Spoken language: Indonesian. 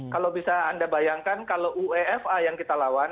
kalau bisa anda bayangkan kalau uefa yang kita lawan